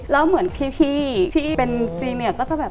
แล้วเหมือนพี่ที่เป็นจริงเนี่ยก็จะแบบ